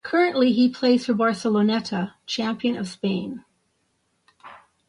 Currently he plays for Barceloneta, champion of Spain.